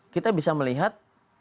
kita bisa melihat